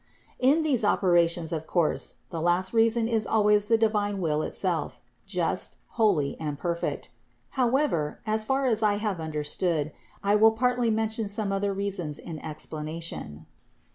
400. In these operations of course, the last reason is always the divine will itself, just, holy and perfect. However, as far as I have understood, I will partly men tion some other reasons in explanation.